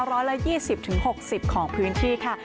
ร้อยละ๒๐๖๐ของพื้นที่ค่ะ